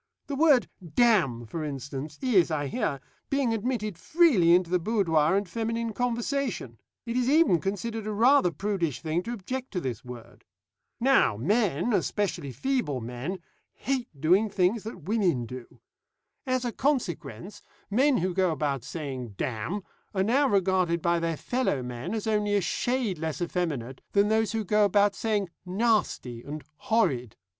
The word 'damn,' for instance, is, I hear, being admitted freely into the boudoir and feminine conversation; it is even considered a rather prudish thing to object to this word. Now, men, especially feeble men, hate doing things that women do. As a consequence, men who go about saying 'damn' are now regarded by their fellow men as only a shade less effeminate than those who go about saying 'nasty' and 'horrid.'